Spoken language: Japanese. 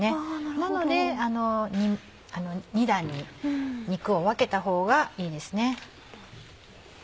なので２段に肉を分けたほうがいいです。